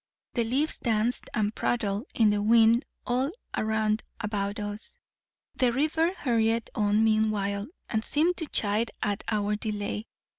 The leaves danced and prattled in the wind all round about us. The river hurried on meanwhile, and seemed to chide at our delay.